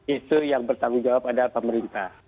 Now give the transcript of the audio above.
isu yang bertanggung jawab adalah pemerintah